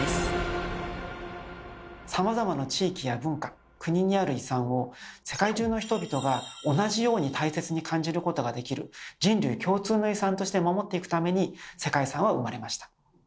さまざまな地域や文化国にある遺産を世界中の人々が同じように大切に感じることができる人類共通の遺産として守っていくために世界遺産は生まれました。